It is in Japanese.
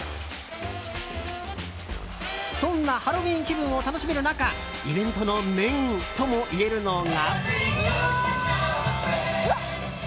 そんなハロウィーン気分を楽しめる中イベントのメインともいえるのが。